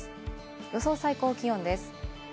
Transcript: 予想最高気温です。